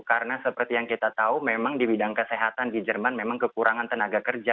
karena seperti yang kita tahu memang di bidang kesehatan di jerman memang kekurangan tenaga kerja